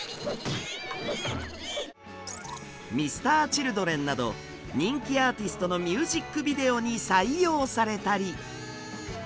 Ｍｒ．Ｃｈｉｌｄｒｅｎなど人気アーティストのミュージックビデオに採用されたり。